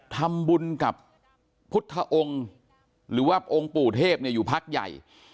ทำบุญกับพุทธองค์หรือว่าองค์ปู่เทพอยู่พักใหญ่